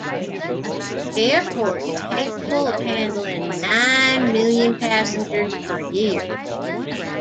The airport is capable of handling nine million passengers per year.